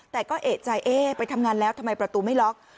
แต่ก็เอกใจเอ๊ะไปทำงานแล้วทำไมประตูไม่ล็อก